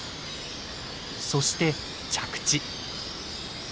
そして着地。